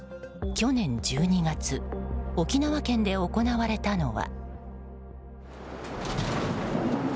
去年１２月沖縄県で行われたのは。